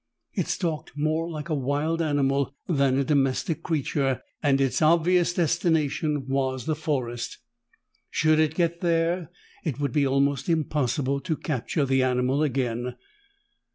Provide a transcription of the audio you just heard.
It stalked more like a wild animal than a domestic creature and its obvious destination was the forest. Should it get there, it would be almost impossible to capture the animal again.